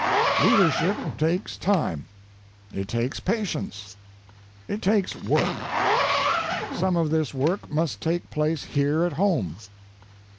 Leadership takes time. It takes patience. It takes work. Some of this work must take place here at home.